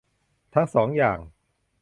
ทั้งสองอย่าง